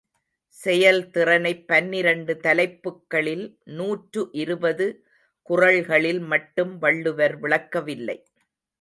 செயல்திறனைப் பன்னிரண்டு தலைப்புக்களில் நூற்று இருபது குறள்களில் மட்டும் வள்ளுவர் விளக்கவில்லை.